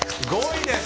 ５位です。